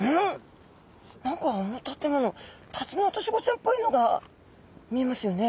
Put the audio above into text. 何かあの建物タツノオトシゴちゃんっぽいのが見えますよね。